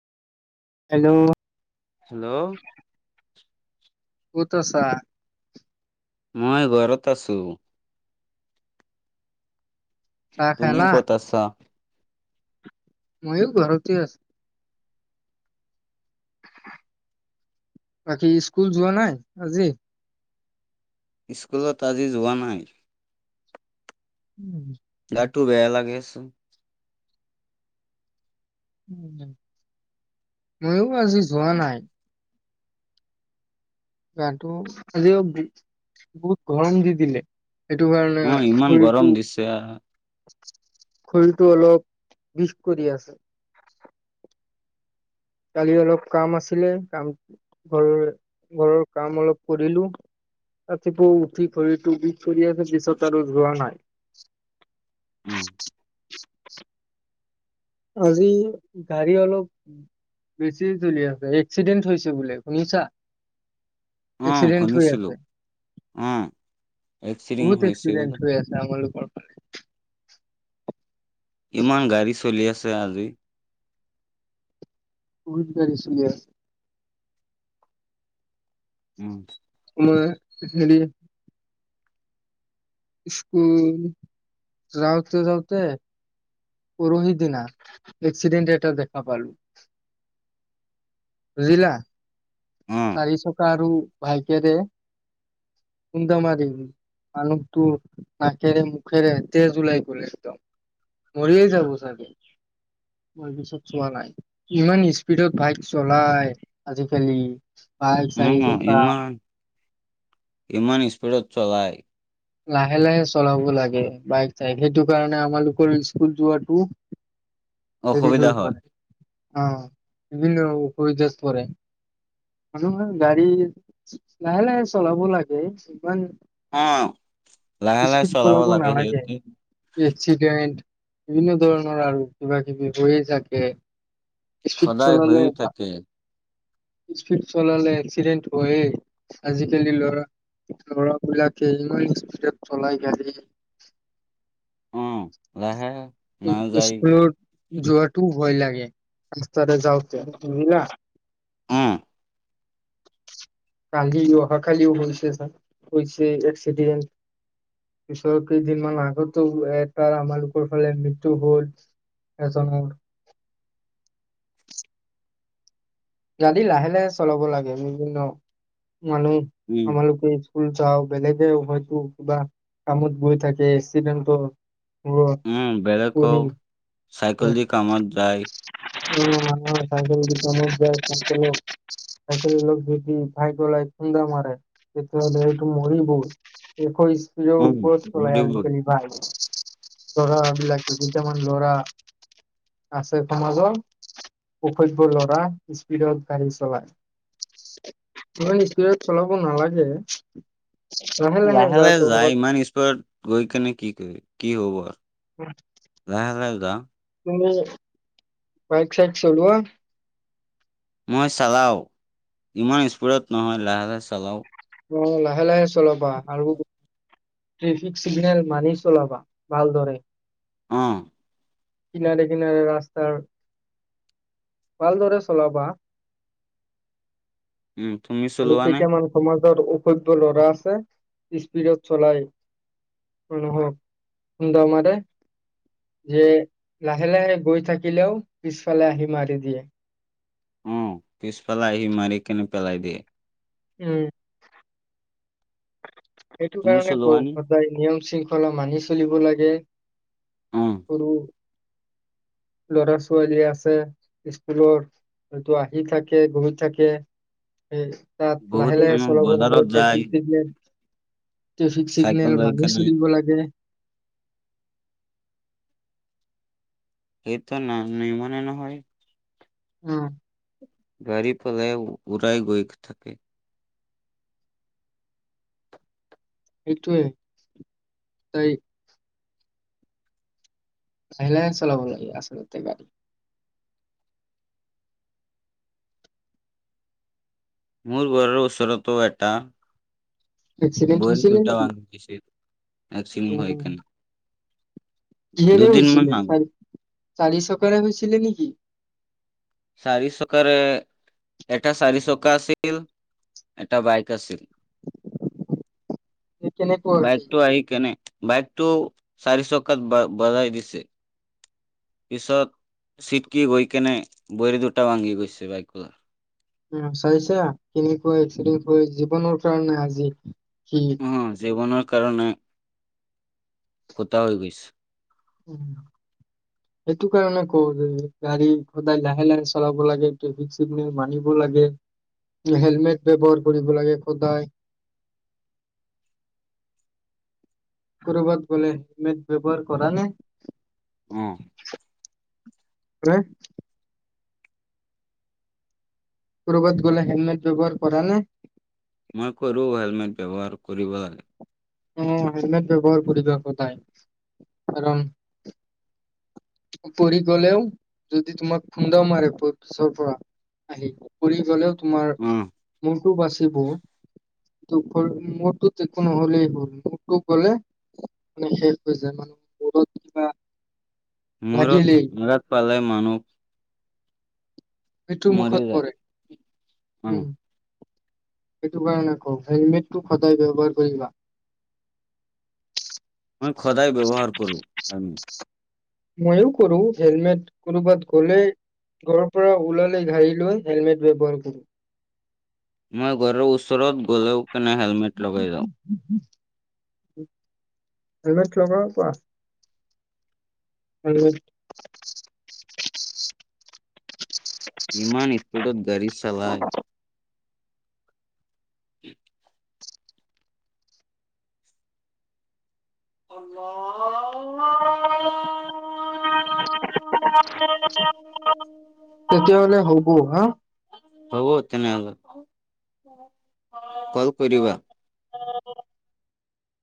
Hello. Hello. কত আছাঁ? মই ঘৰত আছোঁ। চাহ তুমি খালা কত আছাঁ? মইয়ো ঘৰতে আছো। বাকী স্কুল যোৱা নাই আজি? স্কুলত আজি যোৱা নাই। উম। গাটো বেয়া লাগি আছে। উম, মইয়ো আজি যোৱা নাই। গাটো আজি আৰু বহুত গৰম দি দিলে। সেইটো কাৰণে অ ইমান গৰম শৰীৰটো দিছে শৰীৰটো অলপ বিষ কৰি আছে। কালি অলপ কাম আছিলে, কাম ঘৰৰ ঘৰৰ কাম অলপ কৰিলো। ৰাতিপুৱাৰ উঠি ভৰিটো বিষ ফুলি আছে পিছত আৰু ধোৱা নাই। উম। আজি গাড়ী অলপ বেছি জ্বলীয়া আছে, এক্সিডেণ্ট হৈছে বোলে শুনিছা? অ এক্সিডেণ্ট হৈ শুনিছিলো আছে, অ এক্সিডেণ্ট বহুত হৈছে এক্সিডেন্ট বোলে হৈ আছে। [unintelligible] ইমান গাড়ী চলি আছে আজি। বহুত গাড়ী চলি আছে। উম। মই হেৰি স্কুল যাওতে যাওতে, পৰহি দিনা এক্সিডেণ্ট এটা দেখা পালো। বুজিলা। অ চাৰি চকা আৰু বাইকেৰে খুন্দা মাৰিল। মানুহটো নাকেৰে মুখেৰে তেজ ওলাই গ'ল একদম। মৰিয়ে যাব চাগে। মই পিছত চোৱা নাই ইমান স্পীডত বাইক চলাই আজিকালি। বাইক উম চাৰি চকা। কিমান স্পীডত চলায়। লাহে লাহে চলাব লাগে, বাইক চাইক সেইটো কাৰণে আমালোকৰ স্কুল যোৱাটো দেৰি অসুবিধা হৈ হয় পৰে অ', বিভিন্ন অসুবিধাত পৰে। মানুহৰ গাড়ী লাহে লাহে চলাব লাগে ইমান অ', লাহে লাহে চলাব সিহঁতেও। টি এক্সিডেণ্ট বিভিন্ন ধৰণৰ আৰু কিবা কিবি হৈয়ে থাকে। স্পীড সদায় হৈ চলালে। থাকে স্পীড চলালে এক্সিডেন্ট হৈয়ে। আজিকালি ল'ৰা ল'ৰাবিলাকে ইমান স্পীডত চলাই গাড়ী। উম, লাহে। নাযায় স্কুলত উম যোৱাটোও ভয় লাগে ৰাস্তাৰে যাওঁতে বুজিলা। উম। কালি অহাকালিও হৈছে চা হৈছে এক্সিডেণ্ট। পিছৰ কেইদিনমান আগতো এটা আমালোকৰ ফালে মৃত্যু হ'ল এজনৰ। গাড়ী লাহে লাহে চলাব লাগে বিভিন্ন মানুহ উম আমালোকে স্কুল যাওঁ বেলেগে হয়তো কিবা কামত গৈ থাকে এক্সিডেণ্টো উম, বেলেকো চাইকেল দি কামত যায়। [unintelligible] এক লোক একে লোক যদি খাই পেলাই খুন্দা মাৰে। তেতিয়াহ'লে এইটো মৰিবই এশৰ স্পীডৰ উম, ওপৰত চলাই বুজিব। আজিকালি বাইক। ল'ৰাবিলাকে দুইটামান ল'ৰা আছে সমাজৰ অসভ্য ল'ৰা। স্পীডত গাড়ী চলায়। তই স্পীডত চলাব নালাগে। লাহে লাহে যায়, ইমান স্পীডত গৈ কেনে কি কৰি কি হ'ব আৰু। লাহে লাহে যা তুমি বাইক চাইক চলোৱা? মই চালাওঁ ইমান স্পীডত নহয় লাহে লাহে চালাওঁ। অ', লাহে লাহে চলাবা আৰু ট্ৰেফিক চিগনেল মানি চলাবা ভালদৰে। অ'। কিনাৰে কিনাৰে ৰাস্তাৰ। ভালদৰে চলাবা। উম, তুমিচ আৰু কেইটামান সমাজৰ অসভ্য ল'ৰা আছে স্পীডত চলাই। মানুহক খুন্দা মাৰে। যে লাহে লাহে গৈ থাকিলেও পিছফালে আহি মাৰি দিয়ে। উম, পিছফালাই আহি মাৰি কেনে পেলাই দিয়ে। উম। সেইটো তুমি কাৰণে চলোৱা কওঁ নে সদায় নিয়ম শৃংখলা চলিব লাগে। অ আৰু ল'ৰা-ছোৱালী আছে স্কুলৰ হয়তো আহি থাকে গৈ থাকে। এই তাত লাহে বহুত লাহে মানুহ চলাব লাগে বজাৰত যায় traffic signal. Traffic cycle signal লৈ মানি কেনে চলিব লাগে। এইটো নাম নিবনে নহয়? উম উ। গাড়ী পলাই উৰাই গৈ থাকে। সেইটোৱেই তাই চাইলেন্স চলাব লাগে আচলতে গাড়ী। মোৰ ঘৰৰ ওচৰতো এটা এক্সিডেণ্ট বয়ৰ হৈছিলে দুটা নেকি বাং নিচে একচিন অ সেইকাৰণে। কিহেৰে দুদিন মান হৈছিলে আগ চাৰি চাৰি চকাৰে হৈছিলে নেকি? চাৰি চকাৰে এটা চাৰি চকা আছিল এটা বাইক আছিল। ঘুমু ঘুমু। বাইকটো আহি কেনে বাইকটো চাৰি চকাত বা বজাই দিছে। পিছত চিট কি গৈ কেনে ভৰি দুটা ভাঙি গৈছে বাইকটোৰ। উম আ চাইছা কেনেকুৱা এক্সিডেণ্ট হৈ জীৱনৰ কাৰণে আজি কি অ অ, জীৱনৰ কাৰণে খুটা হৈ গৈছে। উম হু হু। সেইটো কাৰণে কওঁ যে গাড়ী সদায় লাহে লাহে চলাব লাগে ট্ৰেফিক সি ট্ৰেফিক ৰুল মানিব লাগে বোলে হেলমেট ব্যৱহাৰ কৰিব লাগে সদায়। কৰ'বাত গ'লে হেলমেট ব্যৱহাৰ কৰা নে? উম। ইচু তু হয়নে। কৰবাত গ'লে হেলমেট ব্যৱহাৰ কৰা নে? মই কৰো হেলমেট ব্যৱহাৰ কৰিবা। টুক, অ অ অ, হেলমেট ব্যৱহাৰ কৰিব সদায় কাৰণ টু অ, পৰি গ'লেও যদি তোমাক খুন্দাও মাৰে পিছৰ পৰা আহি। পৰি গ'লেও তোমাৰ অ মোৰটো বাচিব। টোপৰনি মূৰ তো তে একো নহ'লেই হ'ল মূৰ তো গ'লে কুকু মানে শেষ হৈ যাবা। লাগিলেই মূৰত মূৰত পালে মানুহ মৃত্যুৰ মৰি মুখত যায় পৰে অ উম উ। সেইটো কাৰণেই কও হেলমেটটো সদায় ব্যৱহাৰ কৰিবা। মই সদায় ব্যৱহাৰ কৰো আমি মইও কৰো হেলমেট কৰবাত গ'লেই। ঘৰৰ পৰা ওলালে গাড়ী লৈ হেলমেট ব্যৱহাৰ কৰো। মই ঘৰৰ ওচৰত গ'লেও কেনে চু হেলমেট উম লগাই উম যাওঁ উম উম উম উম, হেলমেট লগাব পাৰা। হেলমেট। ইমান স্পীডত গাড়ী চালাই। ষোল্লশ। অ টা অ অ অ অ অ প অ প অ প অ। [unintelligible] তেতিয়া হলে হব হা। হব তেনেহলে। কল কৰি দিবা। [unintelligible]